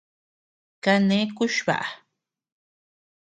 Kane kuch baʼa.